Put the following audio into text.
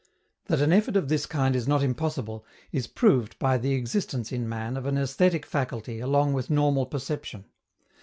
That an effort of this kind is not impossible, is proved by the existence in man of an aesthetic faculty along with normal perception.